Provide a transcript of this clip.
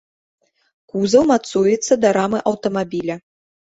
Кузаў мацуецца да рамы аўтамабіля.